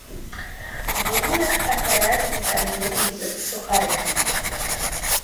Будынак апяразаны карнізам з сухарыкамі.